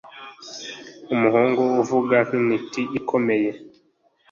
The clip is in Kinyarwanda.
Umuhungu avuga nkintiti ikomeye.